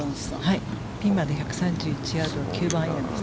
ピンまで１３１ヤード９番アイアンでした。